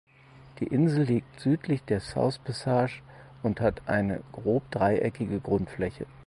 Die Insel liegt südlich der "South Passage" und hat eine grob dreieckige Grundfläche.